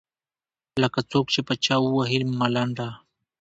لکــــه څــوک چې په چـــا ووهي ملـــنډه.